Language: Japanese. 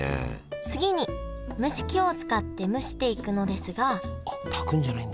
次に蒸し器を使って蒸していくのですがあ炊くんじゃないんだ？